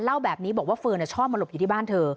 เล่าแบบนี้บอกว่าเฟิร์นชอบมาหลบอยู่ที่บ้านเธอ